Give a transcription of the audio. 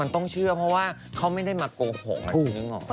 มันต้องเชื่อเพราะว่าเขาไม่ได้มาโกหกกันอย่างนี้เหรอ